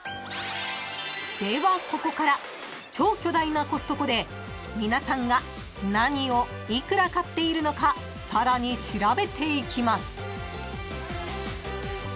［ではここから超巨大なコストコで皆さんが何を幾ら買っているのかさらに調べていきます］